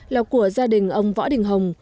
là của gia đình ông võ đình hồng